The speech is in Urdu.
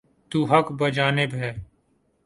تو حق بجانب ہیں۔